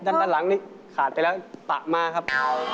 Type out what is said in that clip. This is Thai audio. ด้านหลังนี้ขาดไปแล้วปะมาครับ